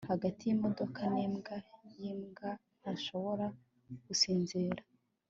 hagati yimodoka nimbwa yimbwa, ntashobora gusinzira